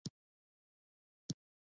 د موټر لېسنس ډېر اړین دی